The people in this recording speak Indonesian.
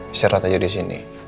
istirahat aja disini